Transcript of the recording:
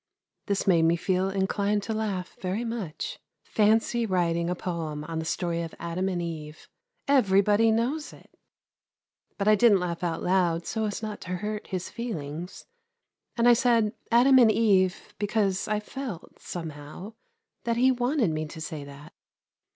This made me feel inclined to laugh very much. Fancy writing a poem on the story of Adam and Eve! Everybody knows it! But I didn't laugh out loud, so as not to hurt his feelings, and I said "Adam and Eve," because I felt, somehow, that he wanted me to say that.